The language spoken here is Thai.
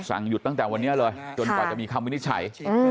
สั่งหยุดตั้งแต่วันนี้เลยจนกว่าจะมีคำวินิจฉัย